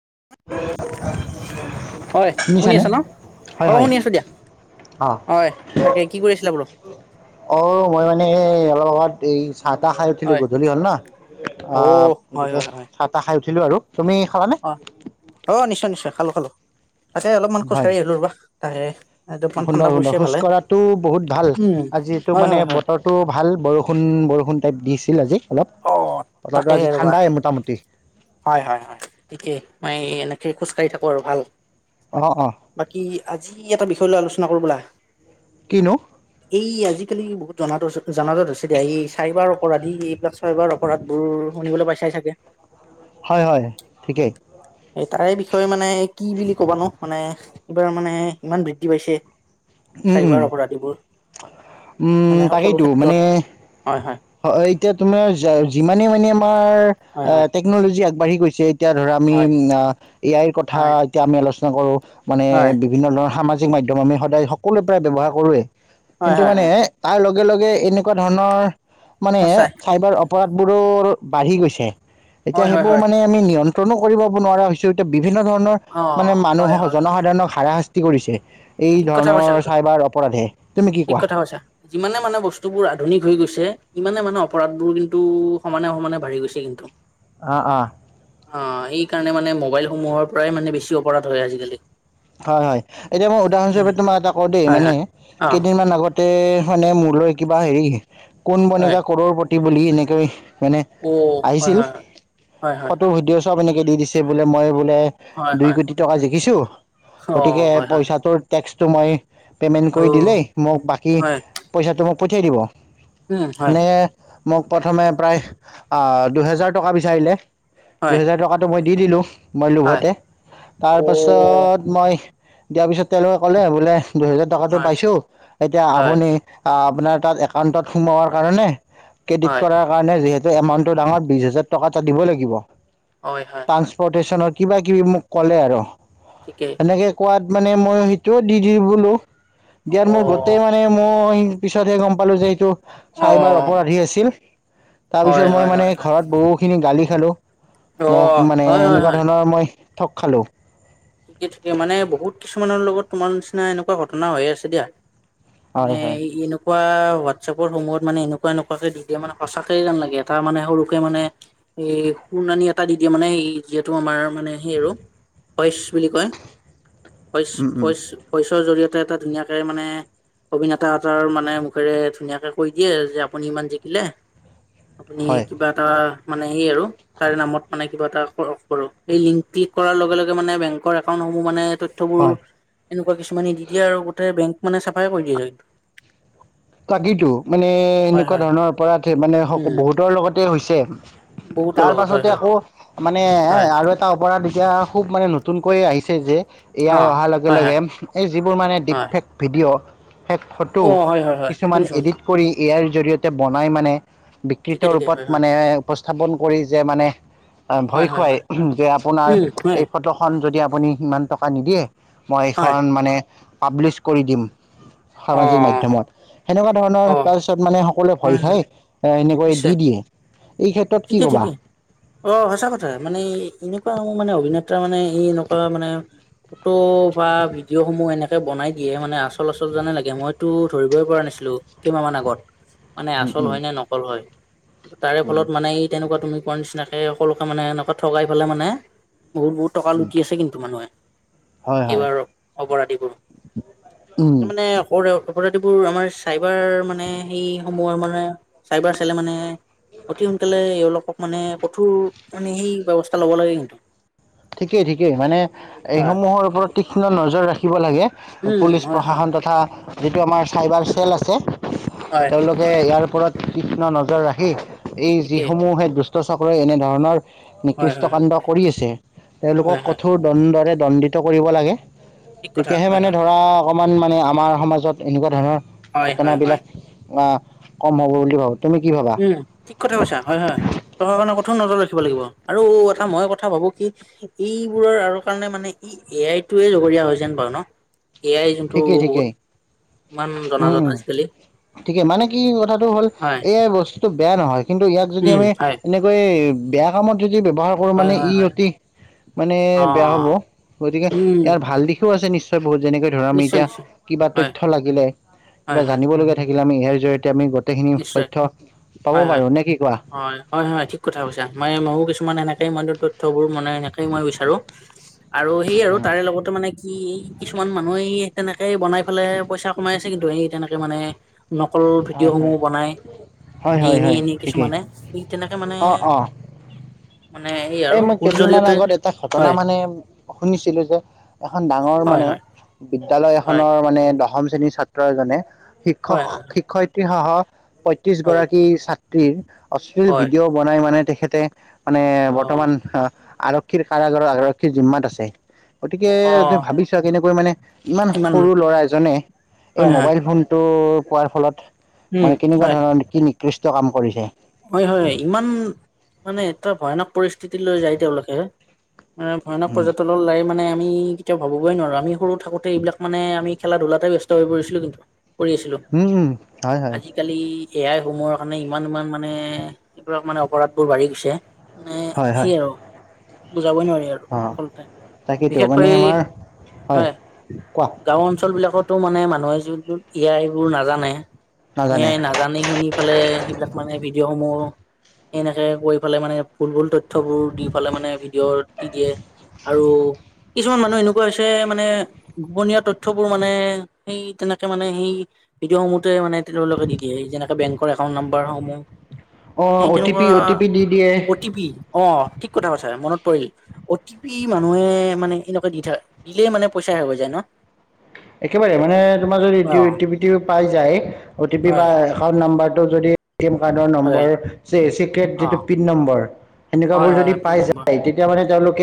[unintelligible] হয় শুনি শুনিছানে? আছা ন' অ, হয় হয় শুনি আছো দিয়া। অ, য়ে তাকে কি কৰি আছিলা বোলো? অ, মই মানে এই অলপ আগত এই চাহ তাহ-খাই উঠিলো হয় গধূলি হ'ল ন, অ, হয় গতিকে হয় হয় চাহ-তাহ খাই উঠিলো আৰু। তুমি খালানে? অ অ, নিশ্চয়-নিশ্চয় খালো-খালো তাকে অলপমান খোজ কাঢ়ি আহিলো ৰবা তাহে। সুন্দৰ-সুন্দৰ খোজ কঢ়াতো বহুত ভাল উম আজি হয় মানে হয় হয় বতৰটো ভাল বৰষুণ-বৰষুণ। টাইপ দিছিল আজি। অলপ। অহ, বতৰটো আজি তাকেহে ৰবা ঠাণ্ডাই মোটামুটি হয়-হয়-হয় ঠিকেই মই এনে হে খোজ কাঢ়ি থাকো আৰু ভাল অ' অ' বাকী আজি এটা বিষয় লৈ আলোচনা কৰো বোলা কিনো? এই আজিকালি বহুত জনাত জনাজাত হৈছে দিয়া এই চাইবাৰ অপৰাধী এইবিলাক চাইবাৰ অপৰাধবোৰ শুনিবলৈ পাইচাই চাগে? হয়, হয়, ঠিকেই। এই তাৰে বিষয়ে মানে কি বুলি ক'বা নো, মানে এইবোৰ মানে ইমান বৃদ্ধি পাইছে। উম উম চাইবাৰ অপৰাধীবোৰ, উম মানে সকলো তাকেইতো ক্ষেত্ৰত মানে হয় এতিয়া তোমাৰ যিমানে মানে আমাৰ হয় আ হয় টেকনলজি আগবাঢ়ি গৈছে। এতিয়া ধৰা আমি হয় আ এ আইৰ কথা হয় এতিয়া আমি আলোচনা কৰোঁ মানে হয় বিভিন্ন ধৰণৰ সামাজিক জিক মাধ্যম আমি সদায় সকলো প্ৰায় ব্যেৱহাৰ কৰোৱে হয় কিন্তু হয় মানে হয় তৰ লগ লগে - লগে এনেকুৱা ধৰণৰ মানে সঁচাই চাইবাৰ অপৰাধবোৰৰ বাঢ়ি গৈছে। এতিয়া হয় হয় সেইবোৰ হয় মানে আমি নিয়ন্ত্ৰণো কৰিব নোৱাৰা হৈছো এতিয়া বি বিভিন্ন ধৰণৰ অ মানে হয় মানুহক হয় হয় জনসাধাৰণক হাৰাশাস্তি কৰিছে। এই ঠিক কথা কৈছা ধৰণৰ কিন্তু চাইবাৰ অপৰাধে। তুমি কি ঠিক কোৱা কথা কৈছা। যিমানে মানে বস্তুবোৰ আধুনিক হৈ গৈছে ইমানে মানে অপৰাধবোৰ কিন্তু সমানে - সমানে বাঢ়ি গৈছে কিন্তু। অ - অ। অ, এই কাৰণে মানে মোবাইলসমূহৰ পৰাই মানে বেছি অপৰাধ হয় আজিকালি। হয় - হয় এতিয়া মই উদাহৰণ হিচাপে তোমাৰ এটা কওঁ দেই হয় মানে হয় অ কেইদিনমান আগত মানে মোৰলৈ কিবা হেৰি কোন হয় বনেগা কৰৰ প্ৰতি বুলি এনেকৈ মানে অ হয় আহিছিল হয় হয় হয় হয় ফটো ভিডিঅ' চব এনেকে। দি দিছে বোলে মই বোলে হয় দুই হয় কোটি টকা জিকিছো অ', গতিকে হয়, হয়, পইচাটোৰ টেক্সটো মই পে'মেণ্ট কৰি অ', দিলেই মোক বাকী হয়, পইচাটো মোক পঠিয়াই দিব। উম, হয়। মানে মোক প্ৰথমে প্ৰায় দুহেজাৰ টকা বিচাৰিলে। হয়, টকাটো মই দি দিলো মই হয়, লোভতে অ', তাৰপাছত মই দিয়াৰ পিছত তেওলোকে কলে বোলে দুহেজাৰ টকাাতটো হয়, পাইছো এতিয়া হয়, হয়, আপুনি আপোনাৰ তাত একাউণ্টত সোমোৱাৰ কাৰণে ক্ৰেডিট হয়, কৰাৰ কাৰণে যিহেতু এমাউন্তটো ডাঙৰ বিশ হাজাৰ টকা এটা দিব লাগিব। হয়, হয়, ট্ৰান্সপৰ্টেশচনৰ কিবা কিবি মোক ক'লে আৰু। ঠিকেই, সেনেকৈ কোৱাত মানে মই সেইটোও দি - দি বোলো অ', দিয়াত মোৰ গোটেই মানে মই পিছতহে গম পালো যে এইটো চাইবাৰ অ', অপৰাধী আছিল। তাৰ পিছত হয়, মই হয়, মানে হয়, হয়, অ', ঘৰত বহুখিনি গালি খালো। মোক মানে হয়, হয়, এনেকুৱা হয়, ধৰণৰ মই ঠগ খালো। ঠিকে - ঠিকে মানে বহুত কিছুমানৰ লগত তোমাৰ নিচিনা এনেকুৱা ঘটনা হৈ আছে দিয়া। মানে হয় হয় এনেকুৱা চপৰ সমূয়হত মানে এনেকুৱা এনেকুৱাকে দি দিয়ে মানে সচাকয়ে যেন লাগে এটা মানে সৰুকে মানে এই- শুনানি এটা দি- দিয়ে মানে এই যিহেতু আমাৰ মানে সেই আৰু ভইচ বুলি কয় ভইচ- উম উম ভইচ - ভইচৰ জৰিয়তে এটা ধুনীয়াকৈ মানে অভিনেতা এতৰ মানে মুখেৰে ধুনীয়াকে কৈ দিয়ে যে আপুনি ইমান জিকিলে। আপুনি হয় কিবা এটা মানে এই আৰু তাৰে নামত মানে কিবা এটা কৰো এই লিংক লিক কৰাৰ লগে- লগে বেং একাউহ মানে তয়বোৰ হয়। এনেকুৱা কিছুমানে দি দিয়ে আৰু গো বেং। মানে চাফাই কৰি দিয়েছ কিন্তু। তাকো মানে হয় এনেকুৱা হয় ধৰণৰ অপৰাধ মানে উম বহুতৰ লগতে হৈছে। বহুতৰ তাৰ লগত হয় পাছতে হয় আকৌ মানে হয় আৰু এটা অপৰাধ এতিয়া খুব মানে নতু নতুনকৈ আহিছে যে অ এয়াই অহাৰ লগে - হয় হয় হয় লগে এই যিবোৰ মানে ডিপ ফেক্ট ভিডিঅ' শেষ ফটো অ হয় হয় হয় কিছুমান শুনিছো শুনিছো এডিট কৰি ইয়াৰ জৰিয়তে বনাই মানে। ঠিকে বিকৃত ঠিকে হয় ৰূপত হয় মানে উপস্থাপন কৰি যে মানে। হয় ভয় হয় খুৱাই হয় যে আপোনাৰ উম হয় এই ফটোখন যদি আপুনি সিমান টকা নিদিয়ে মই হয় এইখন মানে পাব্লিছ কৰি দিম। অ সামাজিক মাধ্যমত সেনেকুৱা ধৰণৰ অ তাৰপিছত মানে অকলে হয় ভয় হয় খাই এনেকৈ নিশ্চয় দি দিয়ে এই ক্ষেত্ৰত কি ঠিকে ক'বা? ঠিকে অ সচা কথা মানে এনেকুৱা মোৰ মানে অভিনেতা মানে ই এনেকুৱা মানে ফটো বা ভিডিঅ' সমূহ এনেকে বনাই দিয়ে মানে আচল - আচল জানে লাগে মইতো ধৰিবই পৰা নিাছিল। কেইমাহ মান আগত মানে উম আচল উম হয় নে নকল হয় তাৰে উম ফলত মানে এই তেনেকুৱা তুমি কোৱাৰ নিচিনাকে সকলোকে মানে এনেকুৱা ঠগাই পেলাই মানে বহুত বহুত টকা উম। লুটি আছে কিন্তু মানুহে। হয়, হয়। এইবাৰ অপৰাধীবোৰ। উম ত মানে সৰু অপৰাধিবোৰ আমাৰ চাইবাৰ মানে সেই সমূহৰ মানে চাইবাৰ চাইলে মানে অতি সোনকালে এওঁলোকক মানে কঠোৰ মানে সেই ব্যৱস্থা ল'ব লাগে কিন্তু ঠিকেই, ঠিকেই। মানে হয়। এইসমূহৰ ওপৰত তীক্ষ্ণ নজৰ ৰাখিব লাগে। উম, পুলিচ হয়, হয়, প্ৰশাসন তথা যিটো আমাৰ চাইবাৰ চেল আছে হয়, তেওঁলোকে ইয়াৰ ওপৰত তীক্ষ্ণ নজৰ ৰাখি এই ঠিকেই যিসমূহে দু ষ্ট চক্ৰই এনেধৰণৰ হয়, নিকৃষ্ট হয়, কাণ্ড কৰি আছে, তেওঁলোকক হয়, হয়, কঠোৰ দন ৰে দন্দিত কৰিব লাগে, ঠিক কথা তেতিয়াহে হয়, মানে হয়, ধৰা ন মানে আমাৰ সমাজত এনেকুৱা ধৰণৰ হয়, হয়, হয়, ঘটনাবিলাক কম হ'ব বুলি ভাবো। তুমি কি ভাবা উম ঠিক কথা কৈছা হয় হয় তহৰ কাৰণে কঠোৰ নজৰ লৈছে [unintelligible] লাগিব আৰু এটা মই কথা ভাবো কি এইবোৰৰ আৰু কাৰণে মানে ই এ আই টোৱে প্ৰিয় হৈ যেন পাওঁ ন? এ আই যোনটো ঠিকেই ঠিকেই বহুত ইমান জনাজাত উম আজিকালি ঠিকে মানে কি কথাটো হ'ল হয়, এ আই বস্তু বেয়া নহয় কিন্তু ইয়াক যদি উম, আমি হয়, এনেকৈ বেয়া কামত ইউ দি ব্যৱহাৰ কৰো হয়, মানে হয়, ই হয়। অতি মানে অ বেয়া হব গতিকে উম ইয়াৰ ভাল দিশো আছে নিশ্চ নিশ্চয় বহুত যেনেকৈ ধৰা আমি নিশ্চয় এতিয়া নিশ্চয় কিবা হয় তথ্য লাগিলে, হয় কিবা হয় জানিব লগীয়া থাকিলে আমি এ আইৰ জৰিয়তে তেয়া আমি গোটেইখিনি নিশ্চয় তথ্য পাব হয় হয় পাৰো নে কি কোৱা হয় হয় হয় ঠিক কথা কৈছা মই ময়ো কিছুমান এনেক সেই মানুহৰ তথ্যবোৰ মনাই এনেকে টোৱে মই বিচাৰো আৰু সেই আৰু তাৰে লগতে মানে কি কিছুমান মানুহেই তেনেক সেই বনাই পেলাই পইচা কমাই আছে কিন্তু এই তেনেকে মানে নকল হয় ভিডিঅ'সমূহ হয় হয় হয় এনে হয় এনেই ঠিকেই কিছুমানে থিক তেনেকে মানে অ অ মানে আৰু এই মই ভুল কেইদিন মান জৰিয়তে আগত এটা ঘটনা হয় মানে শুনিছিলো যে এখন ডাঙ ঙৰ হয় মানে হয় বিদ্যালয় হয় এখনৰ মানে দশম শ্ৰেণীৰ ছাত্ৰ এজনে হয় হয় শিক্ষক-শিক্ষয়িত্ৰী সহ পয়ত্ৰিশ হয় হয় গৰাকী ছাত্ৰীৰ অশ্লীল হয় ভিডিঅ' বনাই মানে তেখেতে মানে অ বৰ্তমান আহ আৰক্ষীৰ কাৰাগাৰৰ আৰক্ষীৰ জিম্মাত আছে। গতিকে অ যে ইমান ভাবিছো কেনেকৈ মানে ইমান সৰু ল'ৰা এজনে এই হয় হয় মোবাইল ফোনটো পোৱাৰ ফলত উম মানে কেনেকুৱা ধৰণৰ কি নিকৃষ্ট কাম কৰিছে। হয়-হয় ইমান মানে এটা ভয়ানক পৰিস্থিতিলৈ যায় তেওঁলোকে মানে ভয়ানক উম পৰ্যটনৰ লাৰি মানে আমি কেতিয়া ভাবিবই নো আমি সৰু থাকোতে এইবাক মানে আমি খেলা ধূলাতে ব্যস্ত হৈ পৰিছিলো কিন্তু কৰি আছিলো উম উম হয় হয় আজিকালি এয়াই সমোৰ কাৰণে ইমান ইমান মানে এইবিলাক মানে অপৰাধ বোৰ বাঢ়ি গৈছে। মানে হয় স হয় আৰু বুজাবই নোৱাৰি আৰু অ সফলতে তাকেইতো মানে বিশেষকৈ, আমাৰ হয় কোৱা গাও অঞ্চল বিলাক তো মানে মানুহে যত এ আইবোৰ নাজানে এ নাজানে আই নাজানি শুনি ফেলে সেইবিলাক মানে ভিডিঅ'সমূহ এনেকে কৰি পেলাই মানে ভূল ভূল তথ্যবোৰ দি পালে মানে ভিডিঅ' দি দিয়ে আৰু কিছুমান মানুহ এনেকুৱা হৈছে মানে গোপনীয় তথ্যবোৰ মানে সেই তেনেকে মানে সেই ভিডিঅসমূহতে মান তেওঁলোকে দি দিয়ে যেনেকে বেংকৰ একাউন্ট নাম্বাৰসমূহ, অ' এই অ' টি পি তেনেকুৱা অ' টি পি দি দিয়ে অ' টি পি অ' ঠিক কথা কথা মনত পৰিল অ টি পি মানুহে মানে এনেকুৱা দি থাক দিলে মানে পইচা হে হৈ যায় ন! [inaudible] একেবাৰে মানে তোমাৰ যদি অ' [unintelligible] পাই যায়, অ টি পি বা হয় এ ন্ব হয় অ' [unintelligible] সেনেকুৱা হয় বোৰ যদি হয় পিন পাই নম্বৰ যায় তেতিয়া মানে তেওঁলোক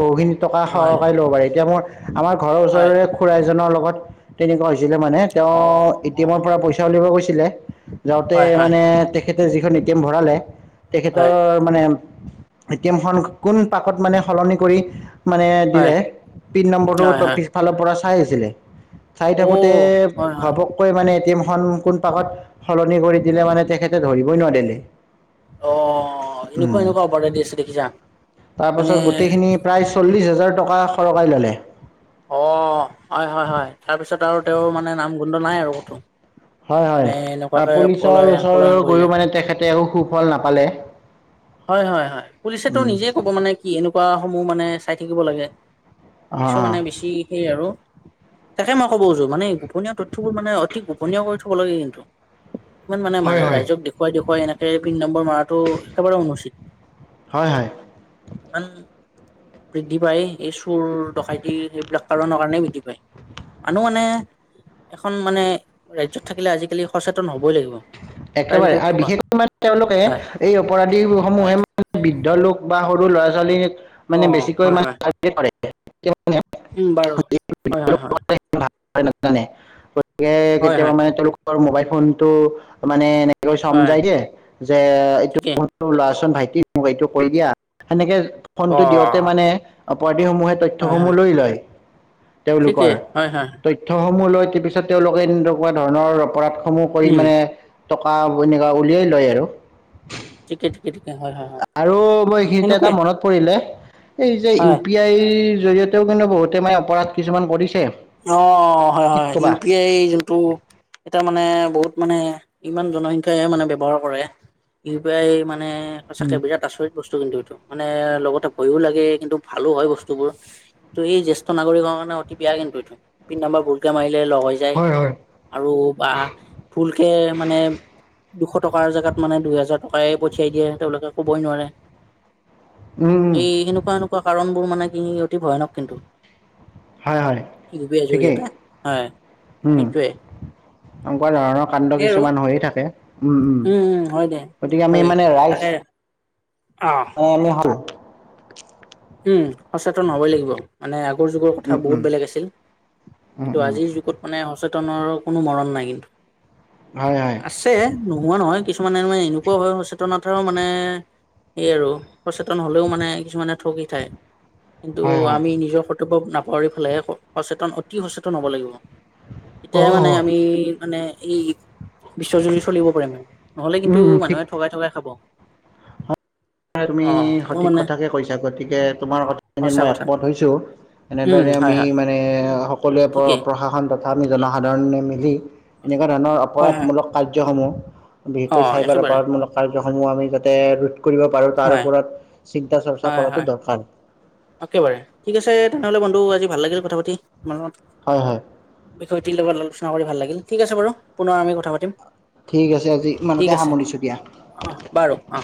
বহুখিনি টকা হয় সহকাৰে লব পাৰে এতিয়া মোৰ আমাৰ ঘৰৰ হয় ওচৰৰে খুৰা এজনৰ লগত তেনেকুৱা হৈছিলে মানে তেওঁ অ', এ টি এমৰ অ', পৰা পইচা উলিয়াব গৈছিলে। যাওঁতে হয়, হয়, মানে তেখেতে যিখন এটি এম ভৰালে তেখেতৰ হয়, মানে এ টি এম খ কোন পাকত মানে সলনি কৰি মানে হয়, দিলে পিন হয়, হয়। নম্বৰটোপিছফালৰ পৰা চাই আছিলে। চাই থাকোতে অ', হয়, হয়, ঘপককৈ মানে এতিয়া কোন পাকত সলনি কৰি দিলে মানে তেখেতে ধৰিবই নোৱাৰিলে। অ', উ এনেকুৱা এনেকুৱা অৰ্ডাৰ দি আছে দেখিছা। তাৰ পাছত মানে গোটেইখিনি প্ৰায় চল্লিশ হাজাৰ টকা সৰকাই ল'লে অ', হয় হয় হয় তাৰপিছত আৰু তেওঁৰ মানে নাম গোন্ধ নাই আৰু কতো হয় হয় মানে এনেকুৱাকে পুলিচৰ পলায়ন ওচৰ পলায়ন কৰিলে। গৈও মানে তেখেতে একো সুফল নাপালে। হয় হয় হয় পুলিচ তো উম নিজেই ক'ব মানে কি এনেকুৱা সমূহ মানে চাই থাকিব লাগে। অ অ পুলিছো মানে বেছি সেই আৰু তাকে মই ক'ব খুজো মানে গোপনীয় তথয়বোৰ মানে অতি গোপনীয় কৰি থ'ব লাগে কিন্তু ইমান মানে হয় মানে হয় ৰাইজক দেখুৱাই দেখুৱাই এনেকে পিন নম্বৰ মৰাটো একেবাৰে অনুচিত। হয় হয়। ইমান বৃদ্ধি পায় এই চুৰ ডকাইতি সেইবিলাক কাৰনৰ কাৰণে বৃদ্ধি পায়। মানুহ মানে এখন মানে ৰাজ্যয়ত থাকিলে আজিকালি সচেতন হবই লাগিব। তাৰ একেবাৰে বিষয়ে কি আৰু কোৱা বিশেষকৈ মানে তেওঁলোকে হয় এই অপৰাধী হয় সমূহে মানে বৃদ্ধ লোক বা সৰু ল'ৰা ছোৱালী অ মানে বেছিকৈ হয় হয় মানে কৰে। উম বাৰু হয় হয় হয়। নাযানে গতিকে হয় কেতিয়াবা হয় মানে তেওঁলোকৰ মোবাইল ফোন টো মানে হয় চমজাই দে যে এইটো প ঠিকেই [unintelligible] ওলাচোন ভাইটি মোক এইটো কৈ দিয়া সেনেকে অ ফোনটো দিওঁতে মানে সমূহে হয় তথ্যসমূহ হয় লৈ লয় ঠিকেই তেওঁলোকৰ হয় হয় তথ্যসমূহ সমূহ লয় তাৰপিছত তেওঁলোকে এনেকুৱা ধৰণৰ অপৰাধসমূহ কৰি উম মানে টকা এনেকুৱা উলিয়াই লয় আৰু ঠিকে ঠিকে ঠিকে হয় হয় হয় আৰু মই এইখিনিতে এটা সেনেকুৱাই মনত পৰিলে এই যে ইউ হয় পি আইৰ জৰিয়তেও কিন্তু বহুতে মানে অপৰাধ কিছুমান কৰিছে। অ', অ', হয় কি হয় ইউ ক'বা পি আই যোনটো এয়া মানে বহুত মানে ইমান জনসংখ্য্াই মানে ব্ৱহাৰ কৰে ই পি আই মানে মানে সঁচাকে বিৰাট আচৰিত। বস্তু কিন্তু এইটো মানে লগতে ভয়ো লাগে কিন্তু ভালো হয় বস্তুবোৰ কিু এই জেষ্ঠ নাগৰিক ে অতি বেয়া কিন্তু এইটো পিন নম্বাৰ ভুলকে মাৰিলে লগ হৈ যায় হয় হয় আৰু বা ফুলকে মানে দুশ টকাৰ জেগাত মানে দুহেজাৰ টকাই প শাই দিয়ে তেওঁলোকে কবই নোৱাৰে উম এই সেনেকুৱা এেনেকুৱা কাৰণ বোৰ মানে ই অতি ভয়ানক কিন্তু হয় হয়। প ঠিকেই জৰিয়তে হয় উম নিশ্চয়ে এনেকুৱা ধৰণৰ কাণ্ড কিছুমান হৈয়ে থাকে। উম উম গতিকে আমি হয় মানে ৰাইচ তাকে অ ম হ [unintelligible] উম সচেতন হব'ই লাগিব মানে আগৰ যুগৰ কথা উম বহুত উম বেলেগ আছিল উম কিন্তু উম আজিৰ যুগত মানে সচেতনৰ কোনো মৰণ নাই কিন্তু হয় হয় আছে নোহোৱা নহয় কি কিছুমানে মানে এনেকুৱা হয় সচেতনতাও মানে এই আৰু সচেতন হলেও মানে কিছুমানে থ কিন্তু হয় হয় আমি নিজৰ ৱ নাপৰি ফালে সচেতন অতি সচেতন হ'ব লাগিব এতিয়া অ' মানে অ' আমি মানে এই বিশ্বজুৰি চলিব পাৰেিম নহলে কিন্তু উম উম ঠিক মানুহে ঠগাই থঠগাই খাব তুমি অ মোৰ সঠিক মানে কথাকে কৈছা ক'ত গতিকে তোমাৰ কথাখিনিত সঁচা মই কথা একমত হৈছোঁ উম এনেদৰে হয় আমি হয় মানে সকলোৱে প্ৰ ঠিকেই প্ৰশাসন তথা আমি জনসাধাৰণে মিলি এনেকুৱা ধৰণৰ হয় হয় অপৰাধমূলক কাৰ্যসমূহ অ বিশেষকৈ চাইবাৰ একেবাৰে অপৰাধমূলক কাৰ্যসমূহ আমি যাতে ৰোধ কৰিব পাৰো তাৰ হয় ওপৰত চিন্তা চৰ্চা কৰাটো দৰকাৰ অকেবাৰে ঠিক আছে তেনেহ'লে বন্ধু আজি ভাল লাগিল কথা পাতি ম হয় হয় বিষয়টিৰ লগত আলোচনা কৰি ভাল লাগিল ঠিক আছে বাৰু পুনৰ আমি কথা পাতিম ঠিক আছে আজি ইমানতে ঠিক আছে সামৰিছোঁ দিয়া। অ বাৰু অ